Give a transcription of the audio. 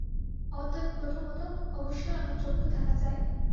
অতএব প্রথমত অবশ্যই আমার চক্ষু থাকা চাই।